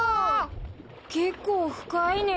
結構深いね。